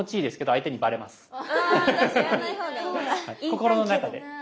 心の中で。